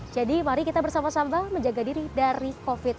jadi mari kita bersama sama menjaga diri dari covid sembilan belas